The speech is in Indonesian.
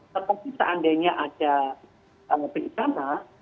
karena mungkin seandainya ada perencanaan